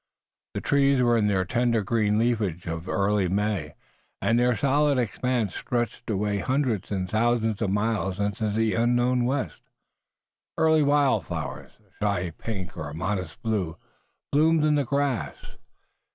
The trees were in the tender green leafage of early May, and their solid expanse stretched away hundreds and thousands of miles into the unknown west. Early wild flowers, a shy pink or a modest blue, bloomed in the grass.